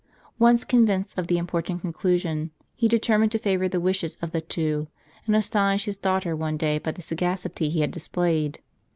Once convinced of this important conclusion, he determined to favor the wishes of the two, and astonish his daughter one day by the sagacity he had displayed.